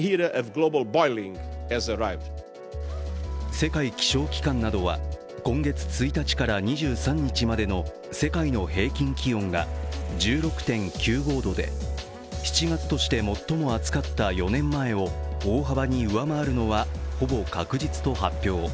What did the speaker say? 世界気象機関などは今月１日から２３日までの世界の平均気温が１６．９５度で、７月として最も暑かった４年前を大幅に上回るのはほぼ確実と発表。